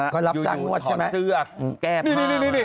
ก็รับจังนึกว่าถอดเสื้อแก้ผ้ามา